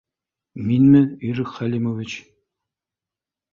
— Минме, Ирек Хәлимович?